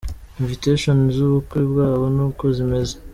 Invitations z'ubukwe bwabo ni uku zimeze.